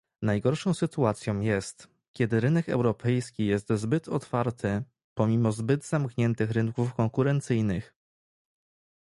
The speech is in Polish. Najgorszą sytuacją jest, kiedy rynek europejski jest zbyt otwarty, pomimo zbyt zamkniętych rynków konkurencyjnych